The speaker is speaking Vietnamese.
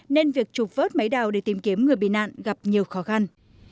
nên việc trục vớt máy đào để tìm kiếm người bị nạn gặp nhiều khó khăn